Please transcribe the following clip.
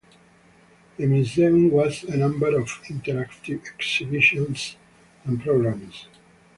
The Museum has a number of interactive exhibitions and programmes.